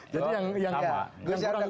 jadi yang kurang